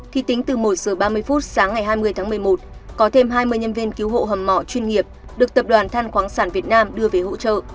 thì tính từ một giờ ba mươi phút sáng ngày hai mươi tháng một mươi một có thêm hai mươi nhân viên cứu hộ hầm mọ chuyên nghiệp được tập đoàn than khoáng sản việt nam đưa về hỗ trợ